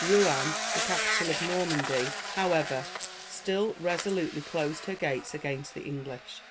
Rouen, the capital of Normandy, however, still resolutely closed her gates against the English.